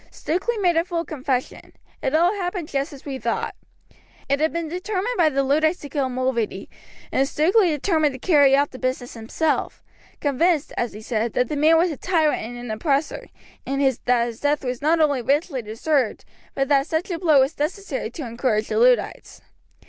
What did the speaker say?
"Stukeley made a full confession. It all happened just as we thought. It had been determined by the Luddites to kill Mulready, and Stukeley determined to carry out the business himself, convinced, as he says, that the man was a tyrant and an oppressor, and that his death was not only richly deserved, but that such a blow was necessary to encourage the Luddites.